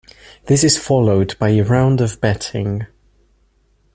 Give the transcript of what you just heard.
This is followed by a round of betting.